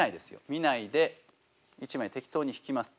見ないで１枚適当に引きます。